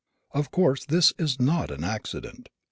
Of course this is not an accident.